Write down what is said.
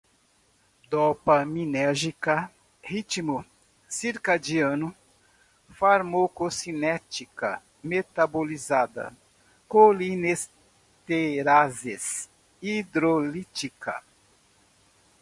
dopaminérgica, ritmo circadiano, farmacocinética, metabolizada, colinesterases, hidrolítica